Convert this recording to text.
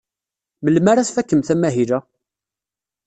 Melmi ara tfakemt amahil-a?